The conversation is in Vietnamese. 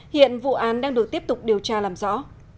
hiện vụ án đang được tiếp tục điều tra làm rõ